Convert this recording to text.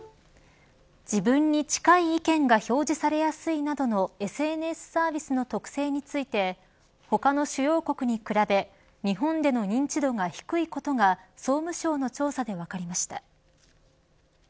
自分に近い意見が表示されやすいなどのＳＮＳサービスの特性について他の主要国に比べ日本での認知度が低いことが総務省の調査で分かりました。